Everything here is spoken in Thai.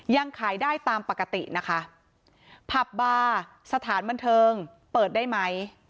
ยังขายได้ตามปกตินะคะผับบาร์สถานบันเทิงเปิดได้ไหม